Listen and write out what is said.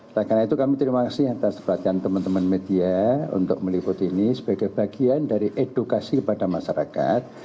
karena itu kami terima kasih atas perhatian teman teman media untuk meliputi ini sebagai bagian dari edukasi kepada masyarakat